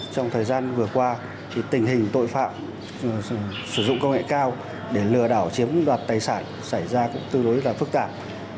trong thời gian vừa qua tình hình tội phạm sử dụng công nghệ cao để lừa đảo chiếm đoạt tài sản xảy ra cũng tương đối là phức tạp